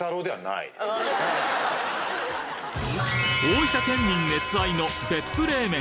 大分県民熱愛の別府冷麺